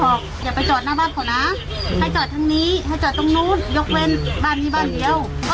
อย่าไปจอดหน้าบ้านเขานะให้จอดทางนี้ให้จอดตรงนู้นยกเว้นบ้านนี้บ้านเดียว